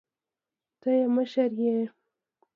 ته يې مشر يې.